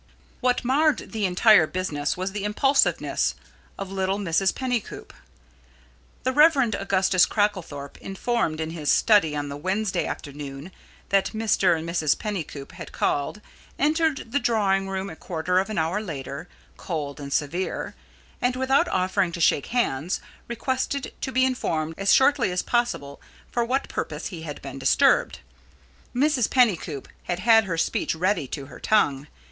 What marred the entire business was the impulsiveness of little Mrs. Pennycoop. The Rev. Augustus Cracklethorpe, informed in his study on the Wednesday afternoon that Mr. and Mrs. Pennycoop had called, entered the drawing room a quarter of an hour later, cold and severe; and, without offering to shake hands, requested to be informed as shortly as possible for what purpose he had been disturbed. Mrs. Pennycoop had had her speech ready to her tongue.